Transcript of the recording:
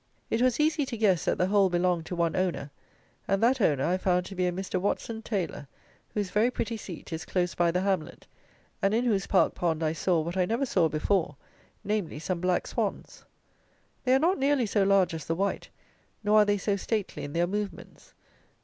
It was easy to guess that the whole belonged to one owner; and that owner I found to be a Mr. Watson Taylor, whose very pretty seat is close by the hamlet, and in whose park pond I saw what I never saw before; namely, some black swans. They are not nearly so large as the white, nor are they so stately in their movements.